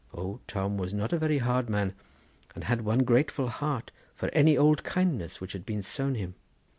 O Tom was not a very hard man, and had one grateful heart for any old kindness which had been shown him.